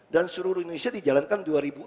dan seluruh indonesia dijalankan dua ribu enam